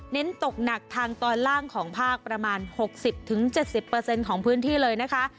เน้นตกหนักทางตอนล่างของภาคประมาณ๖๐๗๐ของพื้นที่เลยนะคะ